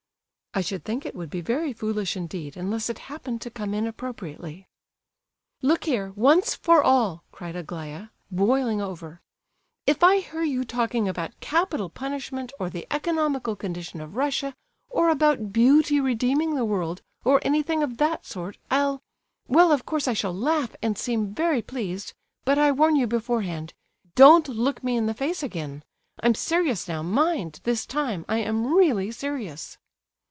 "I should think it would be very foolish indeed, unless it happened to come in appropriately." "Look here, once for all," cried Aglaya, boiling over, "if I hear you talking about capital punishment, or the economical condition of Russia, or about Beauty redeeming the world, or anything of that sort, I'll—well, of course I shall laugh and seem very pleased, but I warn you beforehand, don't look me in the face again! I'm serious now, mind, this time I am really serious."